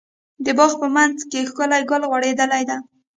د باغ په منځ کې ښکلی ګل غوړيدلی ده.